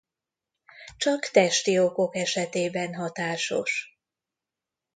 Csak testi okok esetében hatásos.